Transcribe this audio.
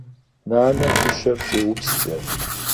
Нанэ гущэр щӏеупскӏэ.